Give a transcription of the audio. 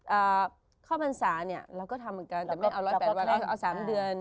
อ่าข้อมันสารเนี่ยเราก็ทำกันแต่ไม่เอาร้อยแปดวันเอาสามเดือน